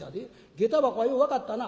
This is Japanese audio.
下駄箱がよう分かったな」。